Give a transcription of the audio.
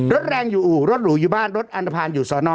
รถแรงอยู่อู่รถหรูอยู่บ้านรถอันตภัณฑ์อยู่สอนอ